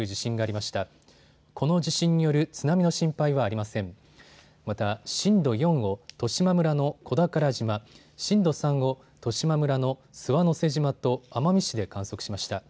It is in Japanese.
また震度４を十島村の小宝島、震度３を十島村の諏訪之瀬島と奄美市で観測しました。